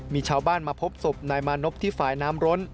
มีชาวบ้านมาพบศพนายมานพที่ฝ่ายน้ำร้น